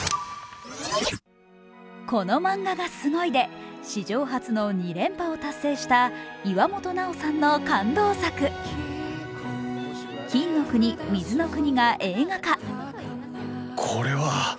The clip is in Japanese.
「このマンガがすごい！」で史上初の２連覇を達成した岩本ナオさんの感動作「金の国水の国」が映画化。